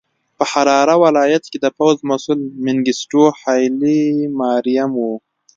په حراره ولایت کې د پوځ مسوول منګیسټیو هایلي ماریم و.